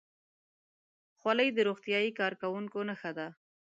خولۍ د روغتیايي کارکوونکو نښه ده.